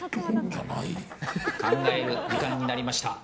考える時間になりました。